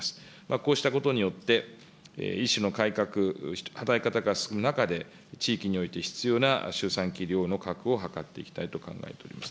こうしたことによって、医師の改革、働き方改革の中で必要な周産期医療の確保を図っていきたいと考えております。